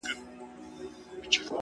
سم داسي ښكاري راته؛